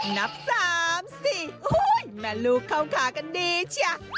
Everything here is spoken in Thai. นับสามสี่โอ้โฮแม่ลูกเข้าขากันดีเฉีย